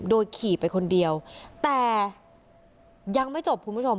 โดยขี่ไปคนเดียวแต่ยังไม่จบคุณผู้ชม